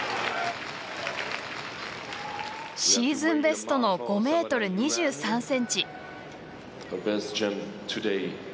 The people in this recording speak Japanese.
シーズンベストの５ｍ２３ｃｍ。